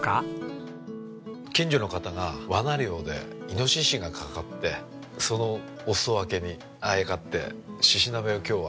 近所の方が罠猟でイノシシがかかってそのお裾分けにあやかってシシ鍋を今日は。